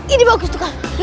ini bagus tukang